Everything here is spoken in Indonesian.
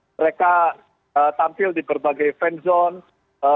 mereka tampil di berbagai fan zone